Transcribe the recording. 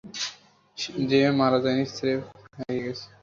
যে ও মারা যায়নি, স্রেফ হারিয়ে গেছে।